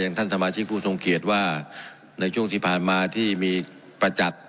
ท่านสมาชิกผู้ทรงเกียจว่าในช่วงที่ผ่านมาที่มีประจักษ์